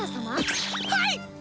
はい！